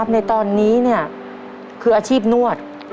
ในตอนนี้คืออาชีพนวด